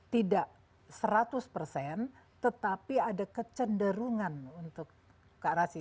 tidak seratus persen tetapi ada kecenderungan untuk ke arah sini